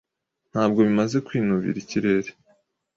Ntabwo bimaze kwinubira ikirere.